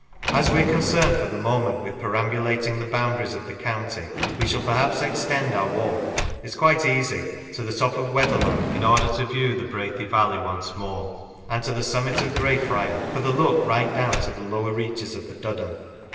As we are concerned for the moment with peram bulating the boundaries of the county, we shall perhaps extend our walk (it is quite easy) to the top of Wether lam, in order to view the Brathay valley once more; and to the summit of Grey Friar, for the look right down the lower reaches of the Duddon.